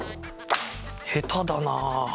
下手だな！